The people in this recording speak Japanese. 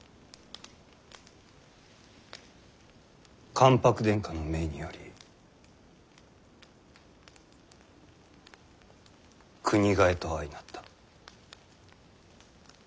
関白殿下の命により国替えと相なった。